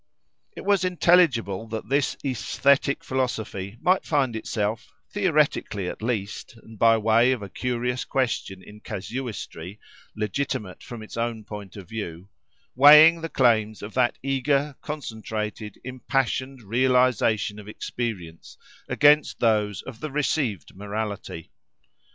It was intelligible that this "aesthetic" philosophy might find itself (theoretically, at least, and by way of a curious question in casuistry, legitimate from its own point of view) weighing the claims of that eager, concentrated, impassioned realisation of experience, against those of the received morality.